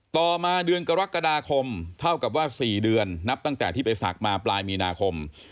ต่อมาเดือนกรกฎาคมเท่ากับว่า๔เดือนนับตั้งแต่ที่ไปศักดิ์มาปลายมีนาคม